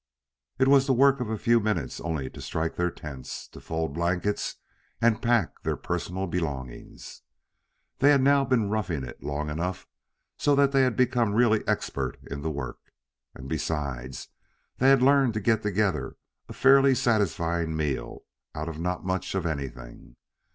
It was the work of a few minutes only to strike their tents, fold blankets and pack their personal belongings. They had now been roughing it long enough so that they had become really expert in the work. And, besides, they had learned to get together a fairly satisfying meal out of not much of anything.